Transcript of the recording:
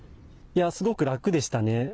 すごく楽でしたね。